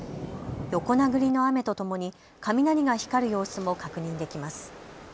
横殴りの雨とともに雷が光る様子も確認できます。